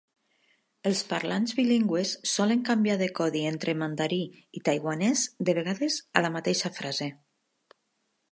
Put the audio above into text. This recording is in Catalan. Els parlants bilingües solen canviar de codi entre mandarí i taiwanès, de vegades a la mateixa frase.